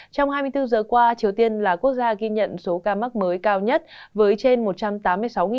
trong hai mươi bốn giờ qua triều tiên là quốc gia ghi nhận số ca mắc mới cao nhất với trên một trăm tám mươi sáu ca